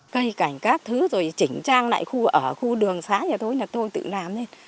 cây cảnh các thứ rồi chỉnh trang lại khu ở khu đường xã như thế thôi là tôi tự làm lên